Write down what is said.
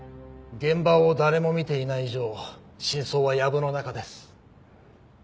現場を誰も見ていない以上真相はやぶの中です。